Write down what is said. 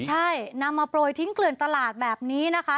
ใช่นำมาโปรยทิ้งเกลื่อนตลาดแบบนี้นะคะ